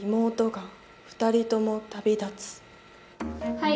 はい。